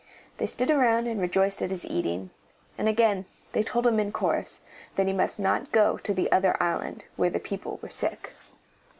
They stood around and rejoiced at his eating, and again they told him in chorus that he must not go to the other island where the people were sick.